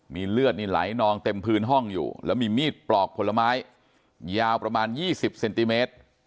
มีเลือดนี่ไหลนองเต็มพื้นห้องอยู่แล้วมีมีดปลอกผลไม้ยาวประมาณ๒๐เซนติเมตร